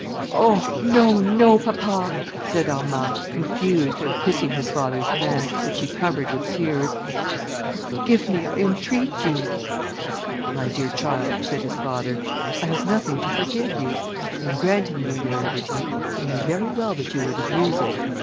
"Oh! no, no, papa!" said Armand, confused, and kissing his father's hand, which he covered with tears. "Forgive me, I entreat you." "My dear child," said his father, "I have nothing to forgive you: in granting you your liberty, I knew very well that you would abuse it.